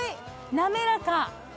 滑らか？